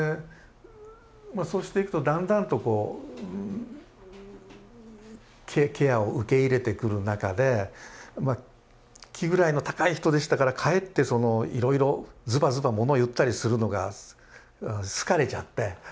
そうしていくとだんだんとこうケアを受け入れてくる中で気位の高い人でしたからかえっていろいろズバズバ物言ったりするのが好かれちゃって。